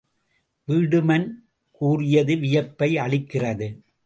வீடுமன் கூறியது வியப்பை அளிக்கிறது.